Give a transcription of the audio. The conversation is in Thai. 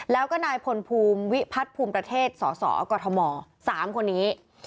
แล้วก็นายพลภูมิวิพัฒน์ภูมิประเทศสสกม๓คนนี้